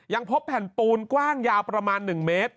ยังพบแผ่นปูนกว้างยาวประมาณ๑เมตร